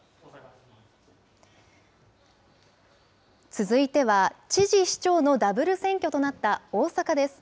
続いては、知事、市長のダブル選挙となった大阪です。